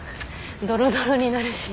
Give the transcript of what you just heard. ドロドロになるし。